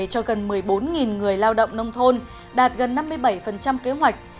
cho gần một mươi bốn người lao động nông thôn đạt gần năm mươi bảy kế hoạch